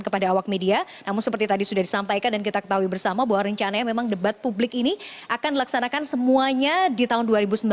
kepada awak media namun seperti tadi sudah disampaikan dan kita ketahui bersama bahwa rencananya memang debat publik ini akan dilaksanakan semuanya di tahun dua ribu sembilan belas